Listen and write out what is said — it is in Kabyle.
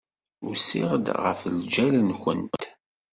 Usiɣ-d ɣef lǧal-nwent.